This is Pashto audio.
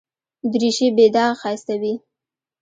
دریشي بې داغه ښایسته وي.